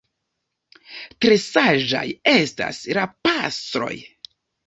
Tre saĝaj estas la pastroj!